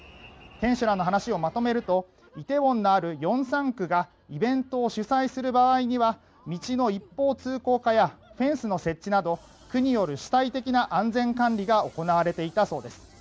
店主らの話をまとめるとイテウォンのあるヨンサン区がイベントを主催する場合には道の一方通行化やフェンスの設置など区による主体的な安全管理が行われていたそうです。